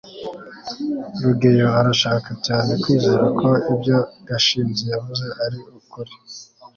rugeyo arashaka cyane kwizera ko ibyo gashinzi yavuze ari ukuri